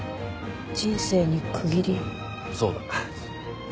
そうだ。